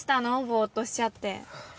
ぼうっとしちゃって。